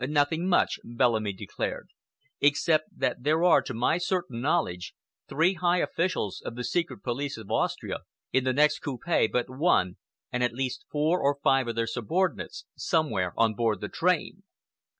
"Nothing much," Bellamy declared, "except that there are, to my certain knowledge, three high officials of the Secret Police of Austria in the next coupe but one, and at least four or five of their subordinates somewhere on board the train."